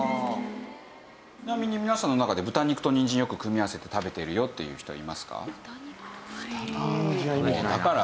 ちなみに皆さんの中で豚肉とにんじんよく組み合わせて食べてるよっていう人はいますか？